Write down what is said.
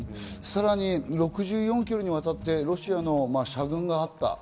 さらに６４キロにわたってロシアの車列があった。